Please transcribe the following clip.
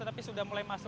tapi sudah mulai berangsur